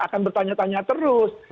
akan bertanya tanya terus